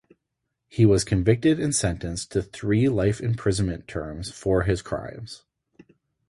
He was convicted and sentenced to three life imprisonment terms for his crimes.